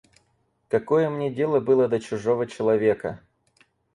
Какое мне дело было до чужого человека?